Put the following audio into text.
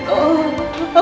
aku mau pergi tolong